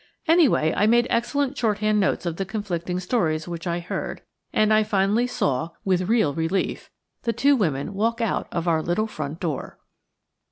Anyway, I made excellent shorthand notes of the conflicting stories which I heard; and I finally saw, with real relief, the two women walk out of our little front door.